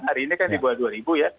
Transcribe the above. hari ini kan di bawah dua ribu ya